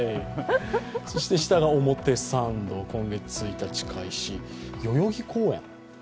そして下が表参道、今月１日開始代々木公園